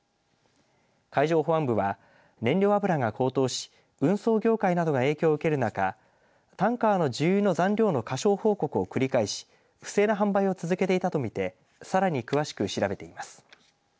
海上保安部は燃料油が高騰し運送業界などが影響を受ける中タンカーの重油の残量の過少報告を繰り返し不正な販売を続けていたと見てさらに詳しく調べています。